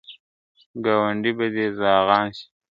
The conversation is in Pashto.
ګاونډي به دي زاغان سي ..